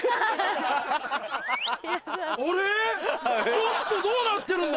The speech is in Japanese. ちょっとどうなってるんだ！